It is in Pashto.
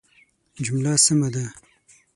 جمله سمه ده